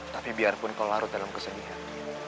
tapi biarpun kau larut dalam kesedihan